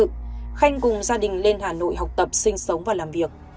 khi bị vây bắt khanh cùng gia đình lên hà nội học tập sinh sống và làm việc